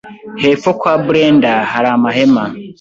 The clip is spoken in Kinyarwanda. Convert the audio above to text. hepfo kwa Brendah hari amahema